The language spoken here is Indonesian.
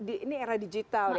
ini era digital ya